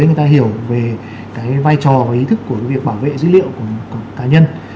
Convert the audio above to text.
người ta hiểu về cái vai trò và ý thức của việc bảo vệ dữ liệu của cá nhân